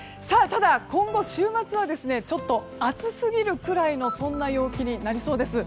ただ、今後週末は暑すぎるくらいの陽気になりそうです。